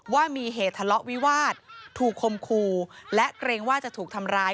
ว่ามีเหตุทะเลาะวิวาสถูกคมคู่และเกรงว่าจะถูกทำร้าย